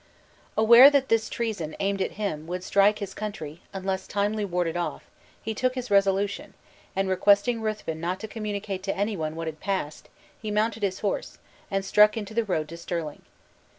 Aware that this treason, aimed at him, would strike his country, unless timely warded off, he took his resolution; and requesting Ruthven not to communicate to any one what had passed, he mounted his horse, and struck into the road to Stirling.